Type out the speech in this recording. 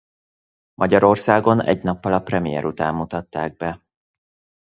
Magyarországon egy nappal a premier után mutatták be.